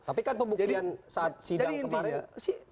tapi kan pembuktian saat sidang kemarin